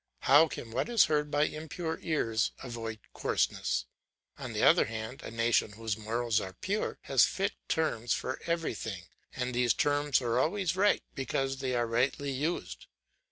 How can what is heard by impure ears avoid coarseness? On the other hand, a nation whose morals are pure has fit terms for everything, and these terms are always right because they are rightly used.